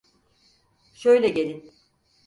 Şöyle gelin!